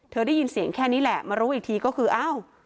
ได้ยินเสียงแค่นี้แหละมารู้อีกทีก็คืออ้าว